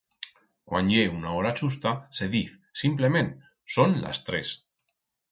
Cuan ye una hora chusta, se diz, simplement, son las tres.